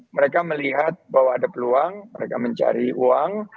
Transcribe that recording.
mereka melihat bahwa ada peluang mereka mencari uang